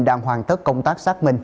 đang hoàn tất công tác xác minh